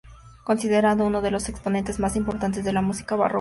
Considerado uno de los exponentes más importantes de la música barroca española.